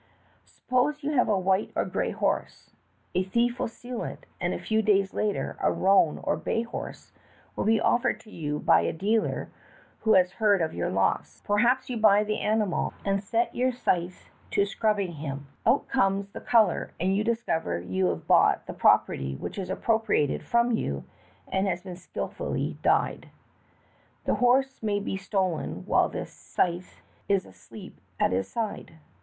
"Suppose you have a white or gray horse. A thief will steal it, and a few days later a roan or bay horse will be offered 3^011 by a dealer who has heard of your loss. Perhaps you buy *the animal, and set your syce to scrtdDbing him. Out comes the color, and you discover that 3^011 have bought the property which was appropriated from you, and has been skillfully d3'ed. The horse may be stolen while the syce is asleep at his side.